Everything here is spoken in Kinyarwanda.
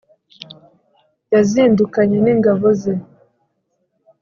yazindukanye n'ingabo ze